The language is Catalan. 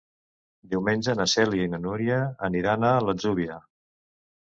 Diumenge na Cèlia i na Núria aniran a l'Atzúbia.